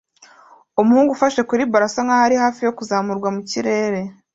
Umuhungu ufashe kuri ballon asa nkaho ari hafi kuzamurwa mu kirere